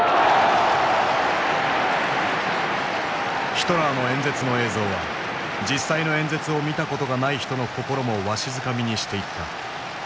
ヒトラーの演説の映像は実際の演説を見たことがない人の心もわしづかみにしていった。